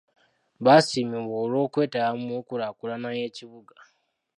Baasiimibwa olw'okwetaba mu nkulaakulana y'ekibuga.